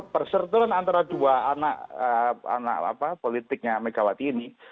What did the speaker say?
perserturan antara dua anak politiknya megawati ini